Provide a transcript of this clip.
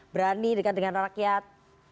berani dengan rakyat